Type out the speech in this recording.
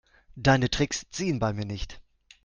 Deine Tricks ziehen bei mir nicht.